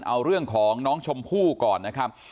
เอาเรื่องของน้องชมพู่ก่อนนะครับ